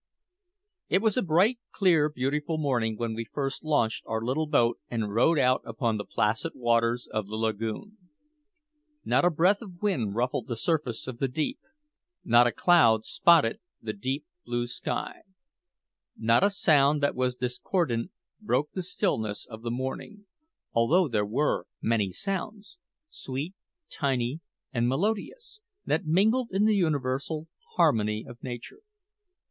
It was a bright, clear, beautiful morning when we first launched our little boat and rowed out upon the placid waters of the lagoon. Not a breath of wind ruffled the surface of the deep. Not a cloud spotted the deep blue sky. Not a sound that was discordant broke the stillness of the morning, although there were many sounds sweet, tiny, and melodious that mingled in the universal harmony of nature.